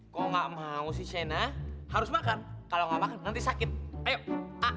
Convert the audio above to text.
kok gak mau sih sena harus makan kalau gak makan nanti sakit ayo ah